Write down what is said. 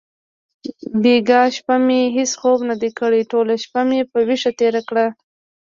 بیګا شپه مې هیڅ خوب ندی کړی. ټوله شپه مې په ویښه تېره کړه.